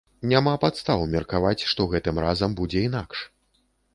Няма падстаў меркаваць, што гэтым разам будзе інакш.